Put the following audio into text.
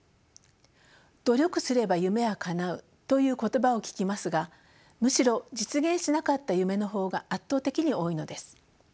「努力すれば夢はかなう」という言葉を聞きますがむしろ実現しなかった夢の方が圧倒的に多いのです。